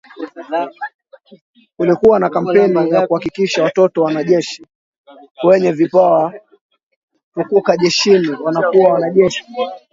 Kulikuwa na kampeni ya kuhakikisha Watoto wa wanajeshi wenye vipawa tukuka jeshini wanakuwa wanajeshi